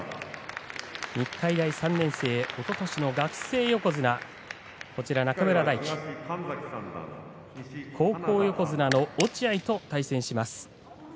日体大３年でおととしの学生横綱、中村泰輝高校横綱の落合と対戦します。